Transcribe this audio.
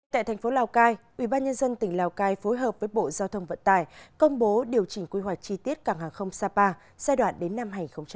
tại thành phố lào cai ubnd tỉnh lào cai phối hợp với bộ giao thông vận tải công bố điều chỉnh quy hoạch chi tiết cảng hàng không sapa giai đoạn đến năm hai nghìn ba mươi